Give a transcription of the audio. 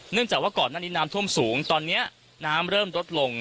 จากว่าก่อนหน้านี้น้ำท่วมสูงตอนนี้น้ำเริ่มลดลง